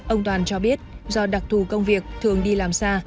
ông toàn cho biết do đặc thù công việc thường đi làm xa